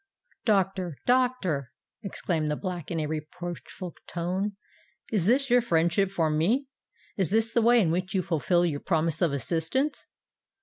"Doctor—doctor," exclaimed the Black, in a reproachful tone: "is this your friendship for me? is this the way in which you fulfil your promise of assistance?"